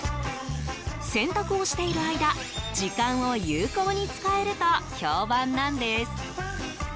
洗濯をしている間、時間を有効に使えると評判なんです。